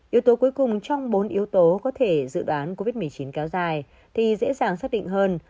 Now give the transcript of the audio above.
yếu tố cuối cùng trong bốn yếu tố có thể dự đoán covid một mươi chín kéo dài thì dễ dàng xác định hơn